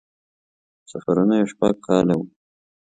سفرونه یې شپږ کاله وو.